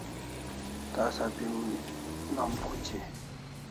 Tasa pi nom phuchi